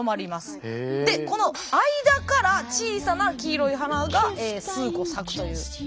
でこの間から小さな黄色い花が数個咲くという。